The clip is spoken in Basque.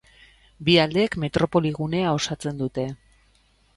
Bi aldeek metropoli gunea osatzen dute.